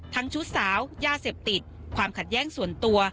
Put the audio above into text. ชุดสาวยาเสพติดความขัดแย้งส่วนตัว